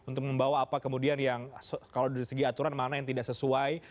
untuk membawa apa kemudian yang kalau dari segi aturan mana yang tidak sesuai